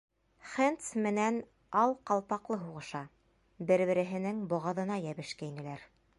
Хэндс менән ал ҡалпаҡлы һуғыша, бер-береһенең боғаҙына йәбешкәйнеләр.